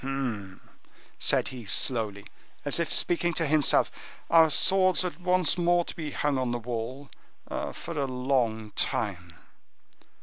"Humph!" said he slowly, as if speaking to himself; "our swords are once more to be hung on the wall—for a long time!"